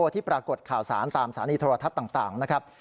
ที่ปรากฏข่าวสารตามสถานีโทรทัศน์ต่างนะครับ